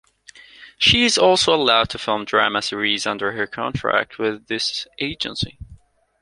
She is also allowed to film drama series under her contract with this agency.